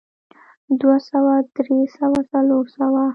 دوه سوه درې سوه څلور سوه